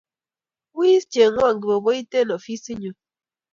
wiss chenguo kibokoit en ofisitnyu